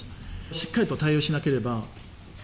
しっかりと対応しなければ。